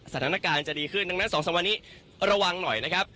สถานการณ์จะดีขึ้นดังนั้น๒๓วันนี้ระวังหน่อยนะครับ